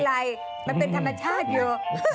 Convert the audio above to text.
อะไรมันเป็นธรรมชาติอยู่